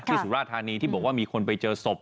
สุราธานีที่บอกว่ามีคนไปเจอศพ